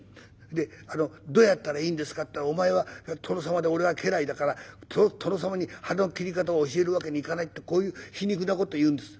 でどうやったらいいんですかって言ったらお前は殿様で俺は家来だから殿様に腹の切り方を教える訳にいかないってこういう皮肉な事言うんです。